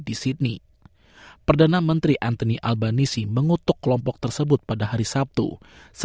dan diperiksa oleh petugas yang melarang dia menghadiri acara australia day